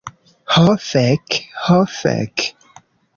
Ho fek. Ho fek.